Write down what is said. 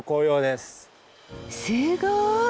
すごい！